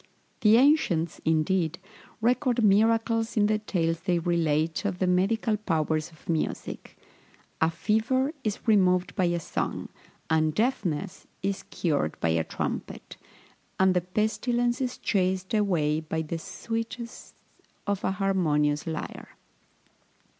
The ancients, indeed, record miracles in the tales they relate of the medicinal powers of music. A fever is removed by a song, and deafness is cured by a trumpet, and the pestilence is chased away by the sweetness of an harmonious lyre.